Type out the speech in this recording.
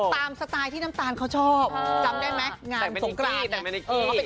ตามสไตล์ที่น้ำตาลเขาชอบจำได้ไหมงานสงกราศแต่ไม่ได้อีกกี้